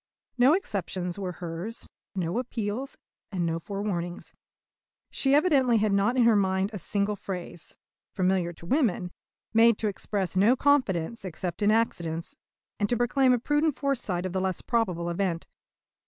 No exceptions were hers, no appeals, and no forewarnings. She evidently had not in her mind a single phrase, familiar to women, made to express no confidence except in accidents, and to proclaim a prudent foresight of the less probable event.